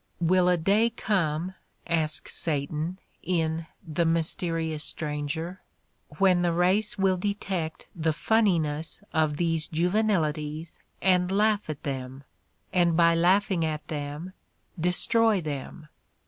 "Will a day come," asks Satan, in "The Mys terious Stranger, "" when the race will detect the f unni ness of these juvenilities and laugh at them — and by laughing at them destroy them?